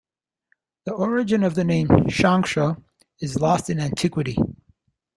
The origin of the name "Changsha" is lost in antiquity.